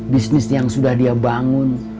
bisnis yang sudah dia bangun